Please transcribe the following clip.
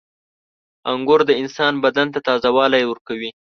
• انګور د انسان بدن ته تازهوالی ورکوي.